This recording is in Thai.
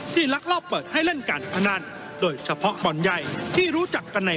ลักลอบเปิดให้เล่นการพนันโดยเฉพาะบ่อนใหญ่ที่รู้จักกันใน